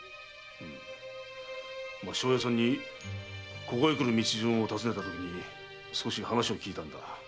庄屋さんにここへ来る道順を尋ねたときに少し話を聞いた。